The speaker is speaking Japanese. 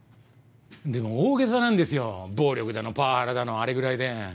でも大げさなんですよ暴力だのパワハラだのあれぐらいで。